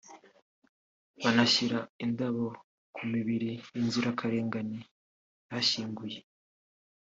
banashyira indabo ku mibiri y’inzirakarengane ihashyinguye